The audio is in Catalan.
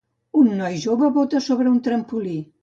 Un noi jove bota sobre un trampolí.